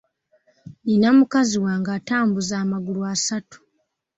Nina mukazi wange atambuza amagulu asatu.